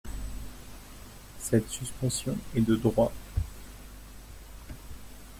Cette suspension est de droit.